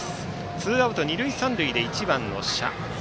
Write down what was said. ツーアウト二塁三塁で１番の謝。